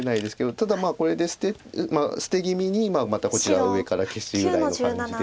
ただまあこれで捨て気味にまたこちら上から消しぐらいの感じで。